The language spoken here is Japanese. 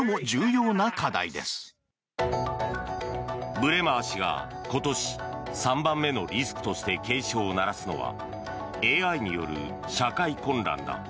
ブレマー氏が今年３番目のリスクとして警鐘を鳴らすのはＡＩによる社会混乱だ。